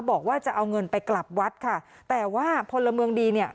บอกว่าจะเอาเงินไปกลับวัดค่ะแต่ว่าพลเมืองดีเนี่ย